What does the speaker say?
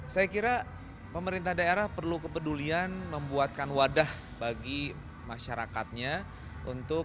saya kira pemerintah daerah perlu kepedulian membuatkan wadah bagi masyarakatnya untuk